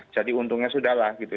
jadi untungnya sudah lah gitu